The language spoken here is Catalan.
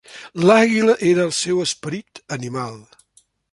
L'àguila era el seu esperit animal.